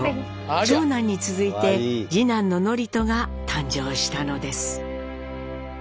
長男に続いて次男の智人が誕生したのです。